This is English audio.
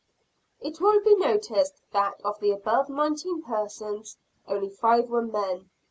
It will be noticed that of the above nineteen persons, only five were men.